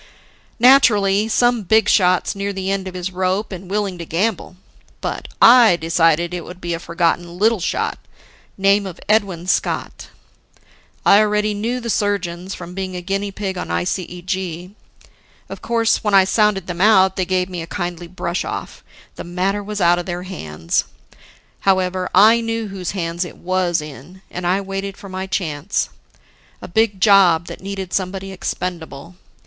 "Naturally, some big shot's near the end of his rope and willing to gamble. But I decided it would be a forgotten little shot, name of Edwin Scott. I already knew the surgeons from being a guinea pig on ICEG. Of course, when I sounded them out, they gave me a kindly brush off: The matter was out of the their hands. However, I knew whose hands it was in. And I waited for my chance a big job that needed somebody expendable.